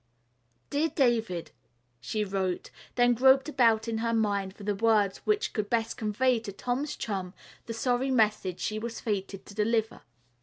"Dear David:" she wrote, then groped about in her mind for the words which would best convey to Tom's chum the sorry message she was fated to deliver.